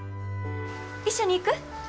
一緒に行く？